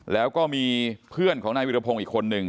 แล้วก็มีเพื่อนของนายวิรพงศ์อีกคนนึง